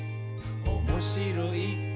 「おもしろい？